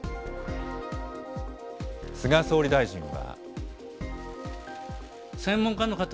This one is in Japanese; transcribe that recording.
菅総理大臣は。